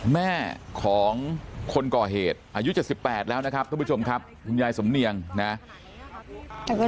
แม่ของคนก่อเหตุอายุ๗๘แล้วนะครับท่านผู้ชมครับคุณยายสำเนียงนะครับ